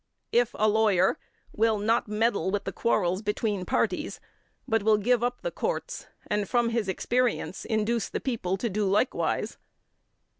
if a lawyer, will not meddle with the quarrels between parties, but will give up the courts and from his experience induce the people to do likewise; 5.